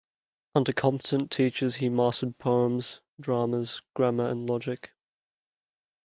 Under competent teachers he mastered poems, dramas, grammar and logic.